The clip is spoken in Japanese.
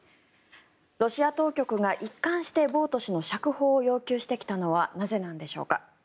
ロシア当局が一貫してボウト氏の釈放を要求してきたのはなぜなんでしょうか。